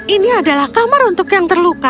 ini adalah kamar untuk yang terluka